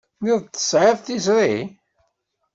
Tenniḍ-d tesεiḍ tiẓri.